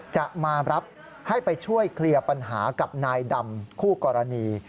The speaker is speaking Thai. จะมารับให้ไปช่วยเคลียร์ปัญหากับนายดำคู่กรณี